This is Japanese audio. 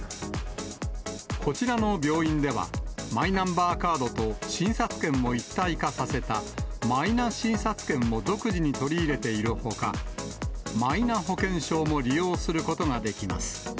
こちらの病院では、マイナンバーカードと診察券を一体化させたマイナ診察券も独自に取り入れているほか、マイナ保険証も利用することができます。